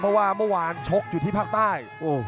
เพราะว่าเมื่อวานชกอยู่ที่ภาคใต้